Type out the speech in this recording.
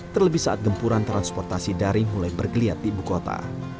terlebih saat gempuran transportasi daring mulai bergeliat di ibu kota